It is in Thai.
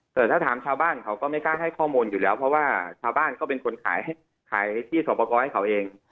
แต่ถ้าถามชาวบ้านเขาก็ไม่กล้าให้ข้อมูลอยู่แล้วเพราะว่าชาวบ้านก็เป็นคนขายที่สอบประกอบให้เขาเอง